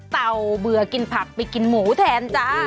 เต่าเบื่อกินผักไปกินหมูแทนจ้า